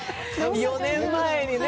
４年前にね